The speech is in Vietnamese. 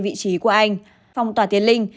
vị trí của anh phòng tỏa tiến linh